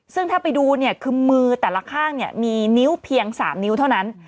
ซึ่งถ้าไปดูเนี่ยคือมือแต่ละข้างมีนิ้วเพียง๓นิ้วเท่านั้น